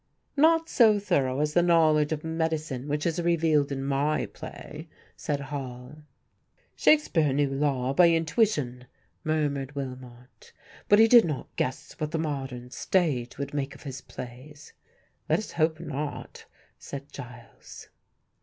"Not so thorough as the knowledge of medicine which is revealed in my play," said Hall. "Shakespeare knew law by intuition," murmured Willmott, "but he did not guess what the modern stage would make of his plays." "Let us hope not," said Giles.